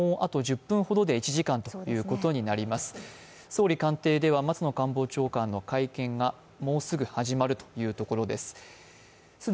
総理官邸では松野官房長官の会見がもうすぐ始まるというところです。